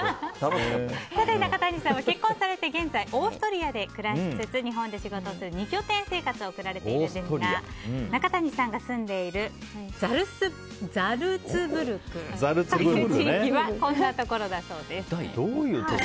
中谷さんは結婚されて現在オーストリアで暮らしつつ日本で仕事をする二拠点生活を送られていますが中谷さんが住んでいるザルツブルク地域はこんなところだそうです。